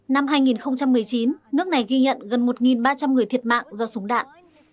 năm hai nghìn một mươi chín nước này ghi nhận gần một ba trăm linh người thiệt mạng do súng đạn